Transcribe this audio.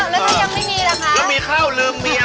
แล้วถ้ายังไม่มีล่ะคะแล้วมีข้าวลืมเมีย